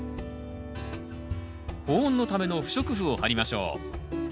保温のための不織布を張りましょう。